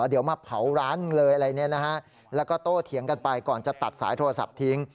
เดี๋ยวมาเผาร้านเลยอะไรเนี่ยนะฮะแล้วก็โตเถียงกันไปก่อนจะตัดสายโทรศัพท์ทิ้ง